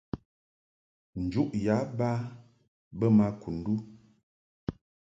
Njuʼ yǎ ba bə ma Kundu.